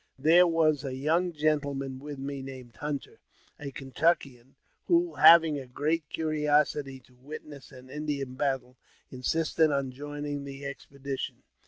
There was a young gentleman with me named Hunter, Kentuckian, who, having a great curiosity to witness an India battle, insisted on joining in the expedition.